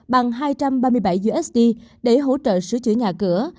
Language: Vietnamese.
bằng hai trăm ba mươi bảy usd để hỗ trợ sửa chữa nhà cửa